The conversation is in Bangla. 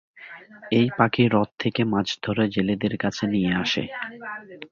এ পাখি হ্রদ থেকে মাছ ধরে জেলেদের কাছে নিয়ে আসে।